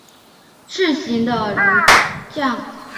士行如将。